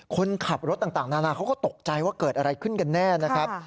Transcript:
คนขับรถต่างนานาเขาก็ตกใจว่าเกิดอะไรขึ้นกันแน่นะครับ